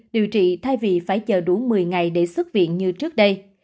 điều trị thay vì phải chờ đủ một mươi ngày để xuất viện như trước đây